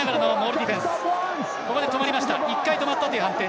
１回止まったという判定。